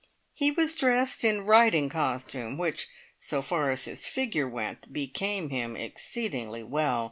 He was dressed in riding costume, which, so far as his figure went, became him exceedingly well.